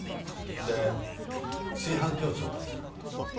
で炊飯器を調達すること。